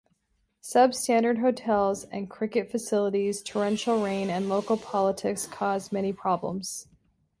Substandard hotels and cricket facilities, torrential rain and local politics caused many problems.